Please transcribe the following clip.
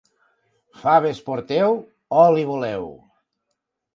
Faves porteu, oli voleu.